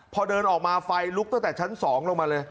พอเดินออกมาไฟลุกตั้งแต่ชั้น๒ลงมาเลย